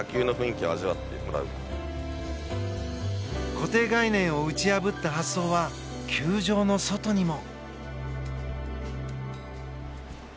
固定概念を打ち破った発想は球場の外にも。